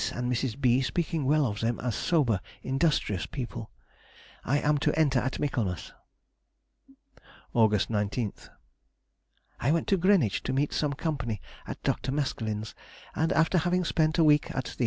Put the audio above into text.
and Mrs. B. speaking well of them as sober, industrious people), I am to enter at Michaelmas. August 19th.—I went to Greenwich to meet some company at Dr. Maskelyne's, and after having spent a week at the R.